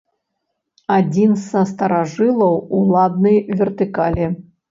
Адзін са старажылаў уладнай вертыкалі.